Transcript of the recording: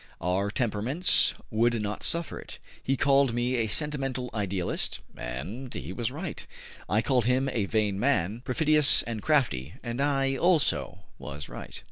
Our temperaments would not suffer it. He called me a sentimental idealist, and he was right; I called him a vain man, perfidious and crafty, and I also was right.